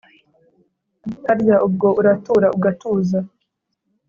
harya ubwo uratura ugatuza